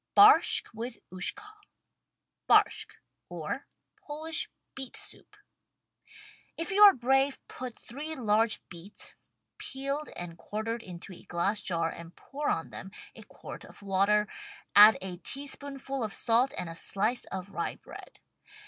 BARSHCK WITH USHKA Barshck. {Or Polish Beet Soup) If you are brave, put three large beets, peeled and quar tered into a glass jar and pour on them a quart of water, add a teaspoonful of salt and a slice of rye bread.